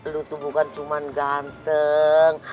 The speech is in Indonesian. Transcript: lu tuh bukan cuma ganteng